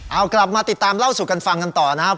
เอากลับมาติดตามเล่าสู่กันฟังกันต่อนะครับ